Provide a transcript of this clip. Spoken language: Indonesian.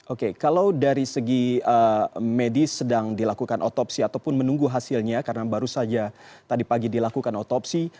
oke kalau dari segi medis sedang dilakukan otopsi ataupun menunggu hasilnya karena baru saja tadi pagi dilakukan otopsi